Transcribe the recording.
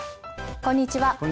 こんにちは。